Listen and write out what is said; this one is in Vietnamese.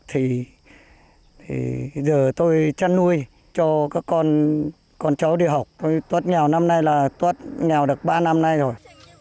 thì giờ tôi chăn nuôi cho các con cháu đi học tôi thoát nghèo năm nay là thoát nghèo được ba năm nay rồi